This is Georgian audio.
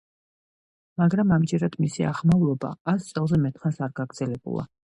მაგრამ ამჯერადაც მისი აღმავლობა ას წელზე მეტხანს არ გაგრძელებულა.